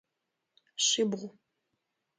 Шъибгъу.